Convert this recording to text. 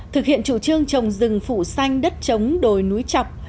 thực hiện chủ trương trồng rừng phụ xanh đất trống đồi núi chọc